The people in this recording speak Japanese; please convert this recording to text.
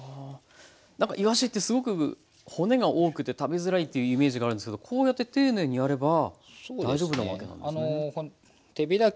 なんかいわしってすごく骨が多くて食べづらいっていうイメージがあるんですけどこうやって丁寧にやれば大丈夫なわけなんですね。